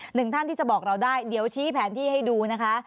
หนึ่งท่านที่จะบอกเราได้เดี๋ยวชี้แผนที่ให้ดูนะคะ